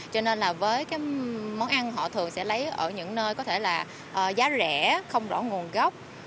cho nên là với cái món ăn họ thường sẽ lấy ở những nơi có thể là giá rẻ không rõ nguồn gốc